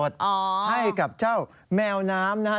ให้กับเจ้าแมวน้ำนะฮะ